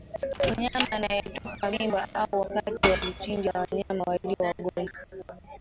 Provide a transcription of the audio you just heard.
mnyama anayetupa mimba au wakati wa kuchinja wanyama walio wagonjwa